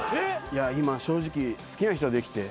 今正直好きな人できて。